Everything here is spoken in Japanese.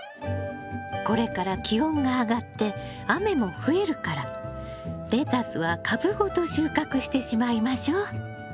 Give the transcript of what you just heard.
これから気温が上がって雨も増えるからレタスは株ごと収穫してしまいましょう。